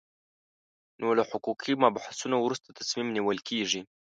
نو له حقوقي مبحثونو وروسته تصمیم نیول کېږي.